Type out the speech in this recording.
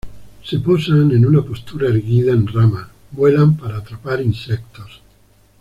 Se posan en una postura erguida en ramas, vuelan para atrapar insectos.